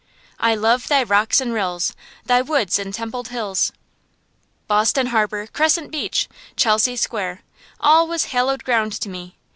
"I love thy rocks and rills. Thy woods and templed hills." Boston Harbor, Crescent Beach, Chelsea Square all was hallowed ground to me.